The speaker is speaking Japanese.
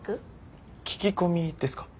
聞き込みですか？